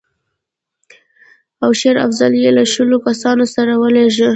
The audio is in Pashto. او شېر افضل یې له شلو کسانو سره ولېږه.